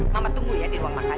mama tunggu ya di ruang makan